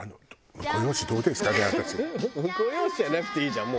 婿養子じゃなくていいじゃん。